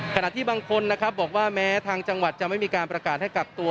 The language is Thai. ขณะที่บางคนนะครับบอกว่าแม้ทางจังหวัดจะไม่มีการประกาศให้กักตัว